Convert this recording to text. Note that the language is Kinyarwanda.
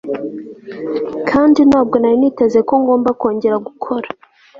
kandi ntabwo nari niteze ko ngomba kongera gukora